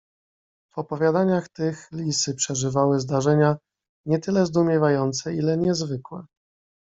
"W opowiadaniach tych lisy przeżywały zdarzenia nie tyle zdumiewające, ile niezwykłe."